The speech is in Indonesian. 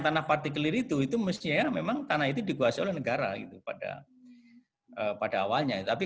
tanah partikelir itu itu mestinya memang tanah itu dikuasai oleh negara gitu pada pada awalnya tapi